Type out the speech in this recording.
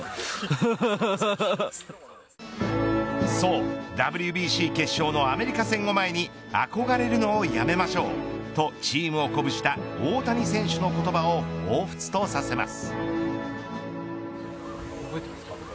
そうＷＢＣ決勝のアメリカ戦を前に憧れるのをやめましょうとチームを鼓舞した大谷選手の言葉をほうふつとさせます。